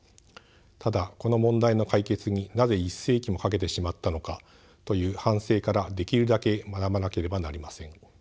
ただこの問題の解決になぜ１世紀もかけてしまったのかという反省からできるだけ学ばなければなりません。